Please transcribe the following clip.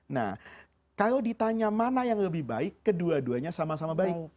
nah kalau ditanya mana yang lebih baik kedua duanya sama sama baik